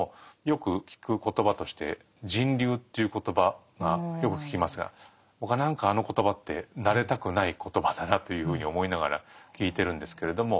よく聞く言葉として「人流」という言葉がよく聞きますが僕は何かあの言葉って慣れたくない言葉だなというふうに思いながら聞いてるんですけれども。